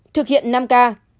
thực hiện năm k